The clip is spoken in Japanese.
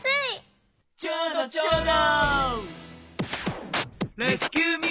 ちょうどちょうど！